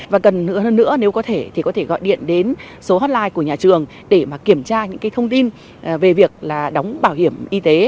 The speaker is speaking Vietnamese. và gần hơn nữa nếu có thể thì có thể gọi điện đến số hotline của nhà trường để mà kiểm tra những cái thông tin về việc là đóng bảo hiểm y tế